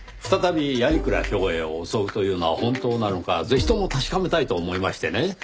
再び鑓鞍兵衛を襲うというのは本当なのかぜひとも確かめたいと思いましてね。